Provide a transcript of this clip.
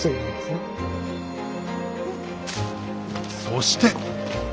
そして。